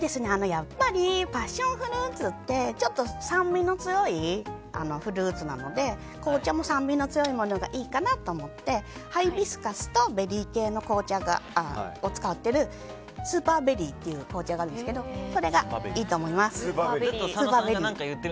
やっぱりパッションフルーツは酸味の強いフルーツなので紅茶も酸味の強いものがいいかなと思ってハイビスカスとベリー系の紅茶を使っているスーパーベリーという紅茶があるんですがそれがいいと思います。